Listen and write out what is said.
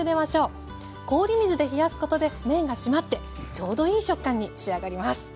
氷水で冷やすことで麺がしまってちょうどいい食感に仕上がります。